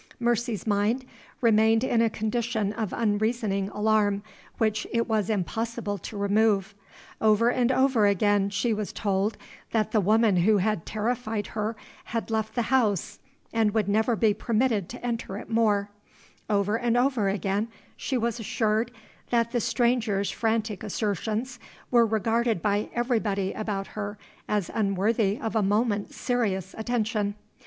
Mercy's mind remained in a condition of unreasoning alarm, which it was impossible to remove. Over and over again she was told that the woman who had terrified her had left the house, and would never be permitted to enter it more; over and over again she was assured that the stranger's frantic assertions were regarded by everybody about her as unworthy of a moment's serious attention.